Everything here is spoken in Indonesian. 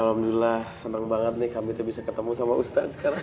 alhamdulillah num blowing mungkin kita bisa ketemu ustadz sekarang